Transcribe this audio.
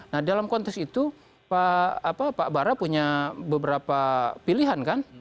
nah dalam konteks itu pak bara punya beberapa pilihan kan